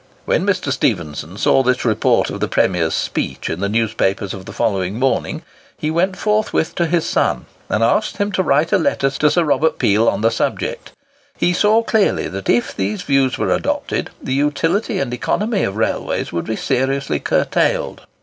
When Mr. Stephenson saw this report of the Premier's speech in the newspapers of the following morning, he went forthwith to his son, and asked him to write a letter to Sir Robert Peel on the subject. He saw clearly that if these views were adopted, the utility and economy of railways would be seriously curtailed.